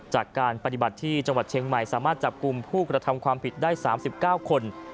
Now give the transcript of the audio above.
จากการปฏิบัติที่จังหวัดเชียงใหม่สามารถจับกลุ่มผู้กระทำความผิดได้๓๙คน